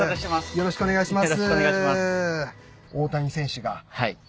よろしくお願いします。